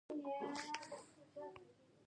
په دې حالت کې يې خپلې خبرې بېرته را پيل کړې.